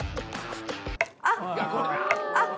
あっ！